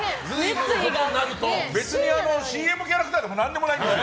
別にＣＭキャラクターでも何でもないんですよ。